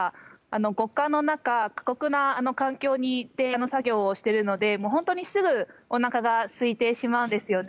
極寒の中過酷な環境で作業しているので本当に、すぐおなかが空いてしまうんですよね。